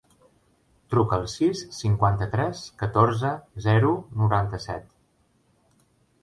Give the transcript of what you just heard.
Truca al sis, cinquanta-tres, catorze, zero, noranta-set.